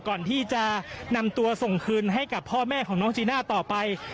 ก่อนที่จะนำตัวส่งคืนให้กับพ่อแม่ของน้องจีน่าต่อไป